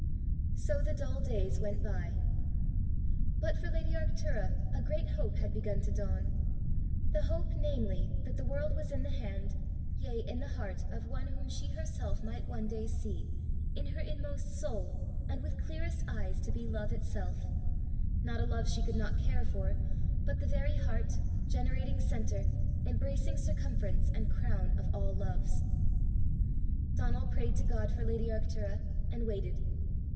So the dull days went by. But for lady Arctura a great hope had begun to dawn the hope, namely, that the world was in the hand, yea in the heart of One whom she herself might one day see, in her inmost soul, and with clearest eyes, to be Love itself not a love she could not care for, but the very heart, generating centre, embracing circumference, and crown of all loves. Donal prayed to God for lady Arctura, and waited.